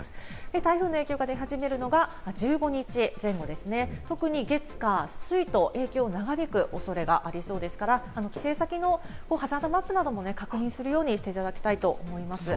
台風の影響が出始めるのが１５日前後、特に月火水と影響が長引く恐れがありそうですから、帰省先のハザードマップなども確認するようにしていただきたいと思います。